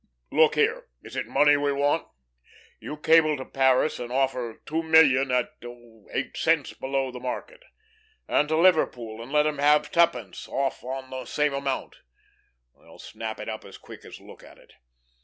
Look here, is it money we want? You cable to Paris and offer two million, at oh, at eight cents below the market; and to Liverpool, and let 'em have twopence off on the same amount. They'll snap it up as quick as look at it.